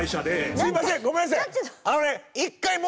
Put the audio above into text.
すいませんごめんなさい！